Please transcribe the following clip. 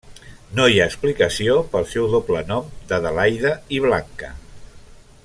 No hi ha explicació pel seu doble nom d'Adelaida i Blanca.